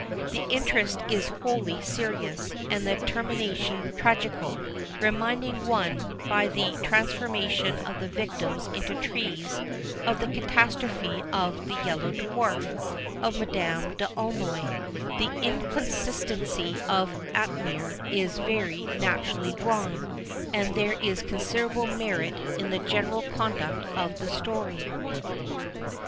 The interest is wholly serious, and the termination tragical, reminding one, by the transformation of the victims into trees, of the catastrophe of the Yellow Dwarf of Madame d'Aulnoy. The inconstancy of Atimir is very naturally drawn; and there is considerable merit in the general conduct of the story.